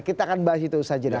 kita akan bahas itu saja